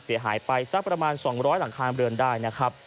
เสียหายไปสักประมาณ๒๐๐หลังคาเรือนได้นะครับ